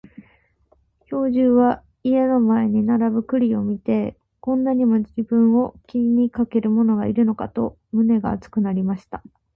兵十は家の前に並ぶ栗を見て、こんなにも自分を気にかける者がいるのかと胸が熱くなりました。